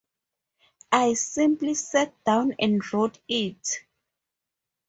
I simply sat down and wrote it.